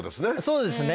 そうですね。